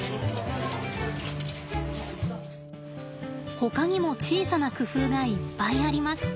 ほかにも小さな工夫がいっぱいあります。